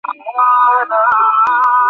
তিনি কোন টেস্টে অংশ নেননি।